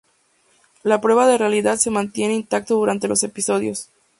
La prueba de realidad se mantiene intacto durante los episodios.